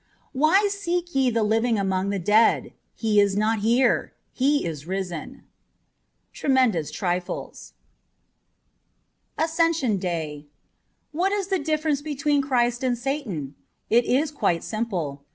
'Why seek ye the living among the dead ? He is not here ; He is risen. '' Tremendous Trifles.^ 417 ASCENSION DAY WHAT is the difference between Christ and Satan ? It is quite simple.